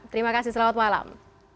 terima kasih selamat malam